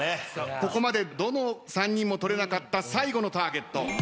ここまでどの３人もとれなかった最後のターゲット。